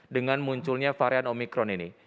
dengan munculnya varian omikron ini